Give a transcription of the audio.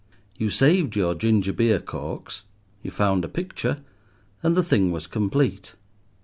You saved your ginger beer corks, you found a picture—and the thing was complete.